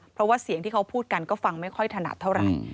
เพราะว่าเสียงที่เขาพูดกันก็ฟังไม่ค่อยถนัดเท่าไหร่